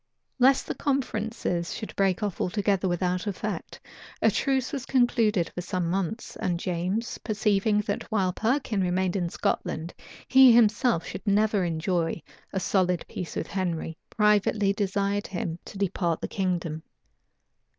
Lest the conferences should break off altogether without effect, a truce was concluded for some months; and James, perceiving that while Perkin remained in Scotland he himself never should enjoy a solid peace with Henry, privately desired him to depart the kingdom.